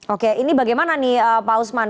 oke ini bagaimana nih pak usman